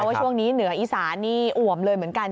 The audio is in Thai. ว่าช่วงนี้เหนืออีสานนี่อ่วมเลยเหมือนกัน